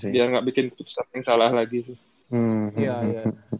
biar gak bikin keputusan yang salah lagi sih